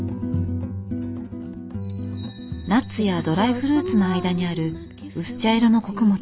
ナッツやドライフルーツの間にある薄茶色の穀物